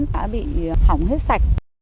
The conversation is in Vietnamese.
đã bị hỏng hết sạch